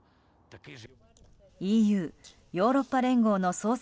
ＥＵ・ヨーロッパ連合の創設